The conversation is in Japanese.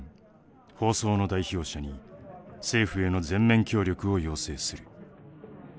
放送の代表者に政府への全面協力を要請する。